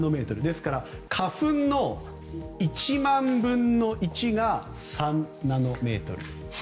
ですから、花粉の１万分の１が３ナノメートル。